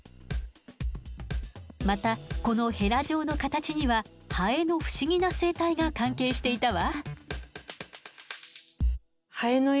またこのヘラ状の形にはハエの不思議な生態が関係していたわ。